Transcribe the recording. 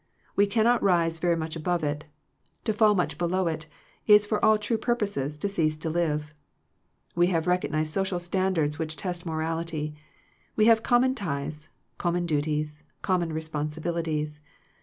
We cannot rise very much above it; to fall much below it, is for all true purposes to cease to live. We have recognized social standards which test morality; we have common ties, common duties, common responsibilities.